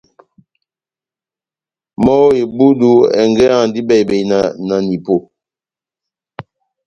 Mɔ́ ó ebúdu, ɛngɛ́ áhandi bɛhi-bɛhi na nanipó